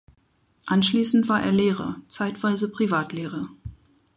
Anschließend war er Lehrer, zeitweise Privatlehrer.